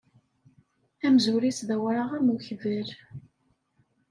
Amzur-is d awraɣ am ukbal.